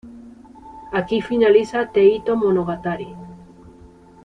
Aquí finaliza "Teito Monogatari".